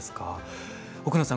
奥野さん